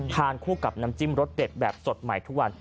ทานคู่กับน้ำจิ้มรสเด็ดแบบสดใหม่ทุกวัน